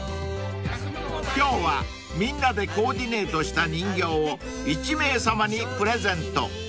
［今日はみんなでコーディネートした人形を１名さまにプレゼント］